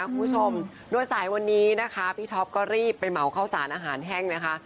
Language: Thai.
คุณผู้ชมโดยสายวันนี้นะคะพี่ท็อปก็รีบไปเหมาข้าวสารอาหารแห้งนะคะ